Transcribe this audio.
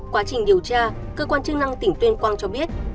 quá trình điều tra cơ quan chức năng tỉnh tuyên quang cho biết